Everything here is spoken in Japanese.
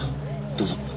どうぞ。